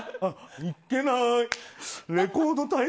いっけなーい！